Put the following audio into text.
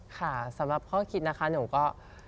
ค่ะสำหรับข้อคิดนะคะหนูก็